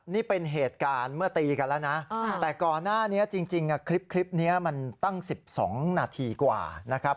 นี่เป็นเหตุการณ์เมื่อตีกันแล้วนะแต่ก่อนหน้านี้จริงคลิปนี้มันตั้ง๑๒นาทีกว่านะครับ